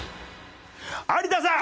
有田さん！